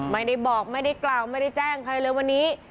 ไม่ได้บอกไม่ได้กล่าวไม่ได้แจ้งใครเลยวันนี้